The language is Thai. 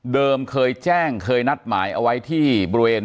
เคยแจ้งเคยนัดหมายเอาไว้ที่บริเวณ